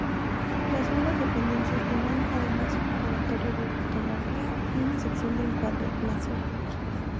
Las nuevas dependencias tenían además un laboratorio de fotografía y una sección de encuadernación.